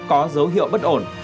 có dấu hiệu bất ổn